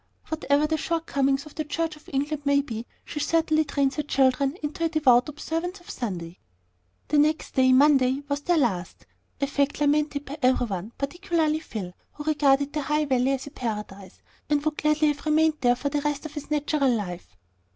Whatever the shortcomings of the Church of England may be, she certainly trains her children into a devout observance of Sunday. The next day, Monday, was to be their last, a fact lamented by every one, particularly Phil, who regarded the High Valley as a paradise, and would gladly have remained there for the rest of his natural life.